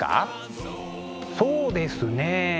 そうですね。